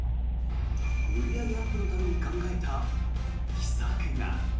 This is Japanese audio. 売上アップのために考えた秘策が。